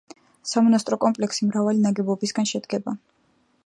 სამონასტრო კომპლექსი მრავალი ნაგებობისაგან შედგება.